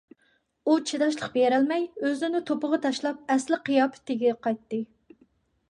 ئۇ چىداشلىق بېرەلمەي ئۆزىنى توپىغا تاشلاپ ئەسلىي قىياپىتىگە قايتتى.